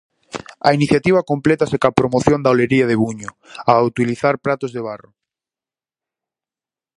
A iniciativa complétase coa promoción da Olería de Buño, ao utilizar pratos de barro.